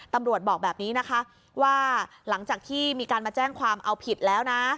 บอกแบบนี้นะคะว่าหลังจากที่มีการมาแจ้งความเอาผิดแล้วนะ